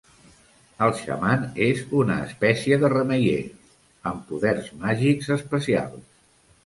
El xaman és una espècie de remeier, amb poders màgics especials.